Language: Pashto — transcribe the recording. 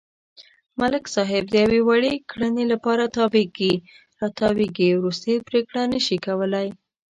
ملک صاحب د یوې وړې کړنې لپاره تاوېږي را تاووېږي، ورستۍ پرېکړه نشي کولای.